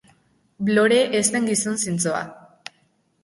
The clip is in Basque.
Blore ez zen gizon zintzoa.